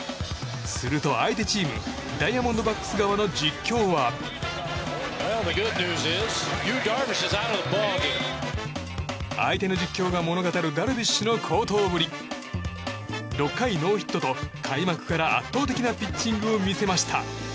すると、相手チームダイヤモンドバックス側の実況は。相手の実況が物語るダルビッシュの好投ぶり。６回ノーヒットと開幕から圧倒的なピッチングを見せました。